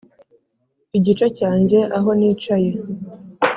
igice cyanjye aho nicaye.